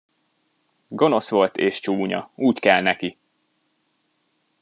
Gonosz volt és csúnya, úgy kell neki!